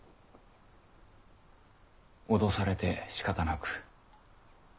脅されてしかたなく。